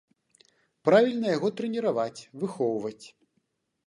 Правільна яго трэніраваць, выхоўваць.